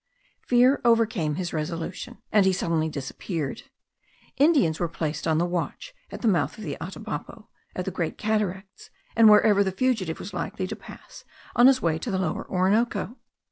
Fear overcame his resolution, and he suddenly disappeared. Indians were placed on the watch at the mouth of the Atabapo, at the Great Cataracts, and wherever the fugitive was likely to pass on his way to the Lower Orinoco.